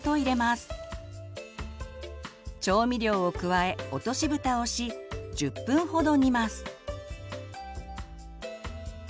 調味料を加え落としブタをし１０分ほど煮ます。